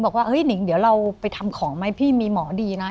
บอกว่าเฮ้ยนิงเดี๋ยวเราไปทำของไหมพี่มีหมอดีนะ